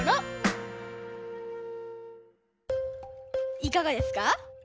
いかがですか？